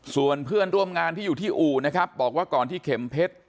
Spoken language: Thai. ส่วนเพื่อนร่วมงานที่อยู่ที่อู่นะครับบอกว่าก่อนที่เข็มเพชร